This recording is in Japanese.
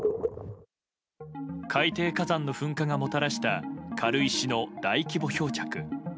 海底火山の噴火がもたらした軽石の大規模漂着。